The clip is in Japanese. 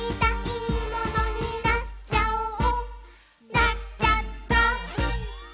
「なっちゃった！」